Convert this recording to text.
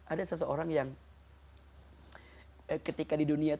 ada seseorang yang ketika di dunia